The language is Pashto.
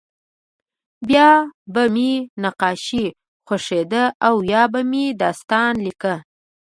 بیا به مې نقاشي خوښېده او یا به مې داستان لیکه